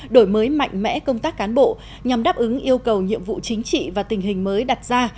đổi mới mạnh mẽ công tác cán bộ nhằm đáp ứng yêu cầu nhiệm vụ chính trị và tình hình mới đặt ra